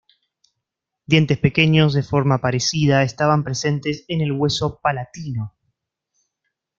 Dientes pequeños de forma parecida estaban presentes en el hueso palatino.